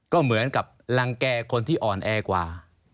ก็เหมือนกับรังแก่คนที่อ่อนแอกว่า